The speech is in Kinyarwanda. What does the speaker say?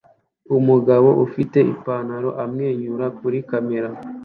Umugabo ufite Ipanaro amwenyura kuri kamera